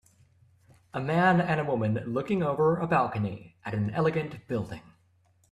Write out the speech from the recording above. A man and a woman looking over a balcony at an elegant building